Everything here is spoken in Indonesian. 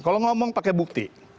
kalau ngomong pakai bukti